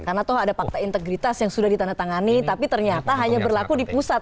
karena tuh ada fakta integritas yang sudah ditandatangani tapi ternyata hanya berlaku di pusat